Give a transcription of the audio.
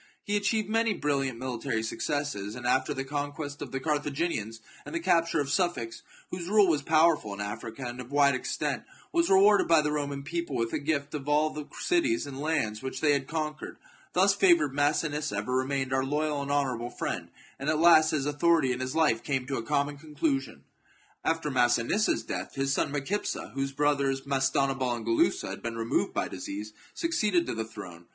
He achieved many brilliant mili tary successes, and after the conquest of the Car thaginians, and the capture of Sufax, whose rule was powerful in Africa, and of wide extent, was rewarded by the Roman people with a gift of all the cities and lands which they had conquered. Thus favoured, Massinissa ever remained our loyal and honourable friend, and at last his authority and his life came to a common conclusion. After Massinissa's death, his son Micipsa, whose brothers, Mastanabal and Gulussa, had been removed by disease, succeeded to the throne.